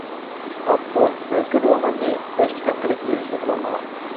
ئاپتور مەزكۇر روماننى بەش كىتاب قىلىپ يېزىشنى پىلانلىغان.